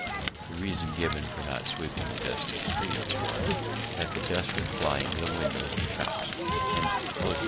The reason given for not sweeping the dusty streets was that the dust would fly into the windows of shops and houses.